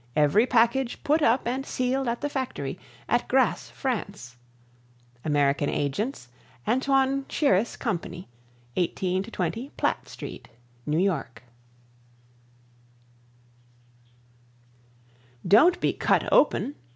Every package put up and sealed at the factory, at Grasse, France. AMERICAN AGENTS Antoine Chiris Company, 18 20 Platt St., New York Don't Be Cut Open!